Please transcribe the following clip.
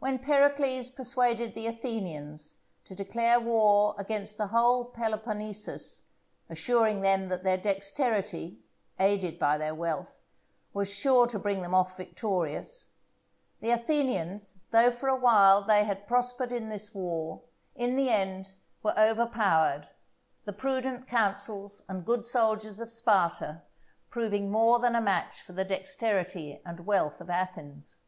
When Pericles persuaded the Athenians to declare war against the whole Peloponnesus, assuring them that their dexterity, aided by their wealth, was sure to bring them off victorious, the Athenians, though for a while they prospered in this war, in the end were overpowered, the prudent counsels and good soldiers of Sparta proving more than a match for the dexterity and wealth of Athens.